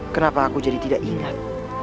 kenapa aku jadi tidak ingat